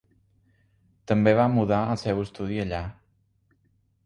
També va mudar el seu estudi allà.